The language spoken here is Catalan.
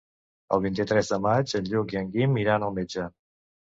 El vint-i-tres de maig en Lluc i en Guim iran al metge.